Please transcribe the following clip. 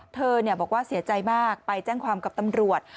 เธอบอกว่าเสียใจมากไปแจ้งความกับตำรวจ